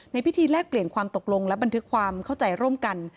พิธีแลกเปลี่ยนความตกลงและบันทึกความเข้าใจร่วมกัน